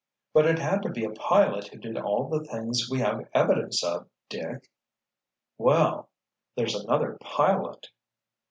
"But it had to be a pilot who did all the things we have evidence of, Dick." "Well—there's another pilot!"